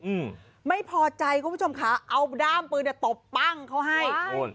อืมไม่พอใจคุณผู้ชมค่ะเอาด้ามปืนเนี้ยตบปั้งเขาให้โอ้ย